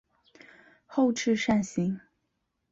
后翅扇形。